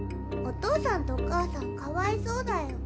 お父さんとお母さんかわいそうだよ。